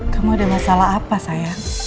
kamu ada masalah apa sayang